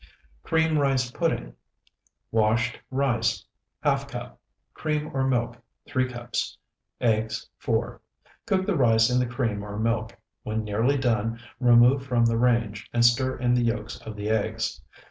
CREAM RICE PUDDING Washed rice, ½ cup. Cream, or milk, 3 cups. Eggs, 4. Cook the rice in the cream or milk; when nearly done, remove from the range, and stir in the yolks of the eggs.